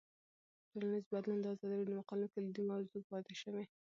ټولنیز بدلون د ازادي راډیو د مقالو کلیدي موضوع پاتې شوی.